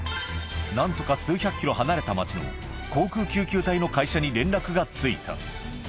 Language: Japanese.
なんとか数百キロ離れた町の航空救急隊の会社に連絡がついた。